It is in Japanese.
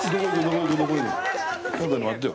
待ってよ。